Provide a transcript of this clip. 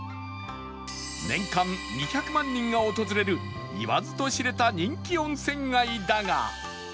年間２００万人が訪れる言わずと知れた人気温泉街だが